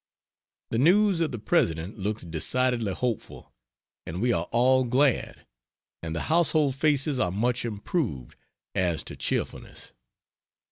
The news of the President looks decidedly hopeful, and we are all glad, and the household faces are much improved, as to cheerfulness.